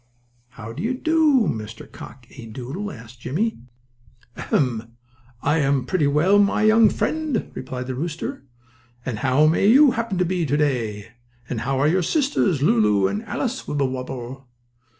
"How do you do, Mr. Cock A. Doodle?" asked Jimmie. "Ahem! I am pretty well, my young friend," replied the rooster. "And how may you happen to be to day? And how are your sisters, Lulu and Alice Wibblewobble?"